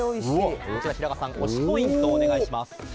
平賀さん、推しポイントをお願いします。